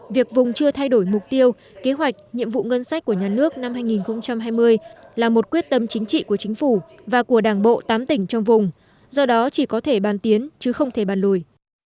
việc vùng chưa thay đổi mục tiêu kế hoạch nhiệm vụ ngân sách của nhà nước năm hai nghìn hai mươi là một quyết tâm chính trị của chính phủ và của đảng bộ tám tỉnh trong vùng do đó chỉ có thể bàn tiến chứ không thể bàn lùi